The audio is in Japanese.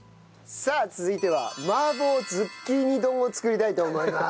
さあ続いては麻婆ズッキーニ丼を作りたいと思います。